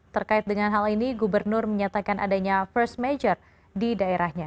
terkait dengan hal ini gubernur menyatakan adanya first major di daerahnya